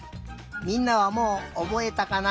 みんなはもうおぼえたかな？